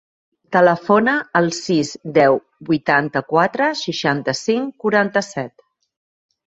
Telefona al sis, deu, vuitanta-quatre, seixanta-cinc, quaranta-set.